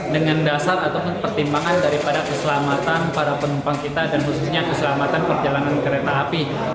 dengan dasar ataupun pertimbangan daripada keselamatan para penumpang kita dan khususnya keselamatan perjalanan kereta api